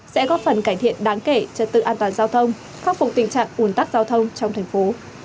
sẽ góp phần cải thiện đáng kể trật tự an toàn giao thông khắc phục tình trạng ủn tắc giao thông trong thành phố